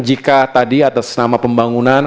jika tadi atas nama pembangunan